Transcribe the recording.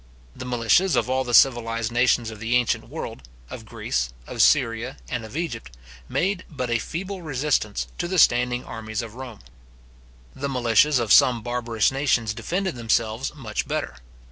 The militias of all the civilized nations of the ancient world, of Greece, of Syria, and of Egypt, made but a feeble resistance to the standing armies of Rome. The militias of some barbarous nations defended themselves much better.